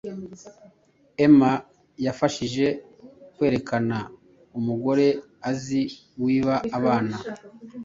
emma yafashije kwerekana umugore azi wiba abana